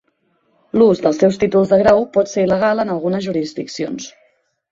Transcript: L'ús dels seus títols de grau pot ser il·legal en algunes jurisdiccions.